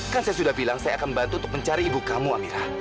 kan saya sudah bilang saya akan membantu untuk mencari ibu kamu amirah